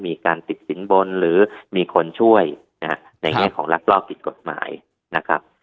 มีการติดสินบนหรือมีคนช่วยนะฮะในแง่ของลักลอบผิดกฎหมายนะครับ